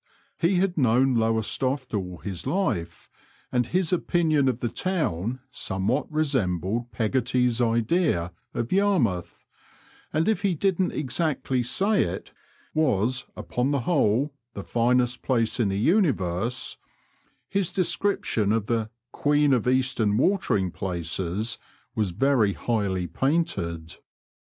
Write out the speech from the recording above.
He had known Lowestoft all his life, and his opinion of the town somewhat resembled Peggotty's idea of Yarmouth, and if he didn't exactly say it was, upon the whole, the finest place in the universe," his description of the "Queen of Eastern Watering Places" was very highly painted.